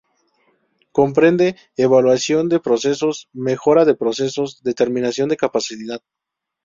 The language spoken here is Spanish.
Comprende: evaluación de procesos, mejora de procesos, determinación de capacidad.